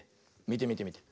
みてみてみて。